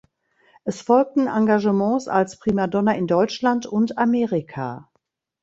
Es folgten Engagements als Primadonna in Deutschland und Amerika.